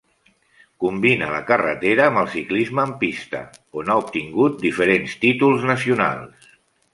Combina la carretera amb el ciclisme en pista on ha obtingut diferents títols nacionals.